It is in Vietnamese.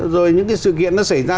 rồi những cái sự kiện nó xảy ra